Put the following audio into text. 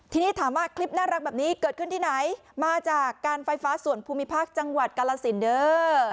ทีนี้ถามว่าคลิปน่ารักแบบนี้เกิดขึ้นที่ไหนมาจากการไฟฟ้าส่วนภูมิภาคจังหวัดกาลสินเด้อ